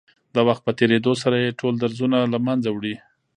د وخت په تېرېدو سره يې ټول درځونه له منځه وړي.